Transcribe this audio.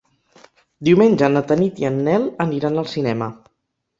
Diumenge na Tanit i en Nel aniran al cinema.